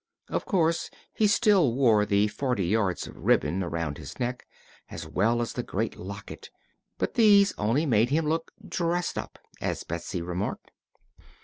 Of course he still wore the forty yards of ribbon around his neck, as well as the great locket, but these only made him look "dressed up," as Betsy remarked.